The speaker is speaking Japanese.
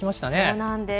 そうなんです。